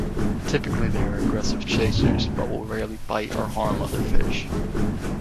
Typically they are aggressive chasers, but will rarely bite or harm other fish.